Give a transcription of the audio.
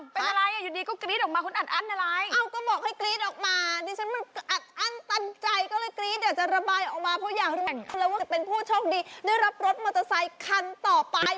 เพราะอยากรู้แล้วว่าจะเป็นผู้โชคดีได้รับรถมอเตอร์ไซค์คันต่อไป